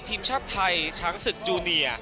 ทีมชาติไทยชางศึกยูนิอร์